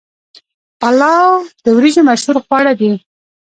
پلاو د وریجو مشهور خواړه دي.